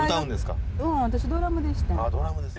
私、ドラムでした。